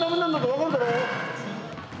分かるだろ！